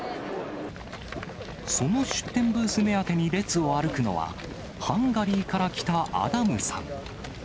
その出店ブース目当てに列を歩くのは、ハンガリーから来たアダムさん。